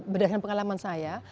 berdasarkan pengalaman saya